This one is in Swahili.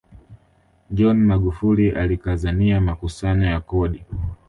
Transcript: john magufuli alikazania makusanyo ya kodi